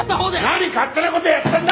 何勝手な事やってんだ！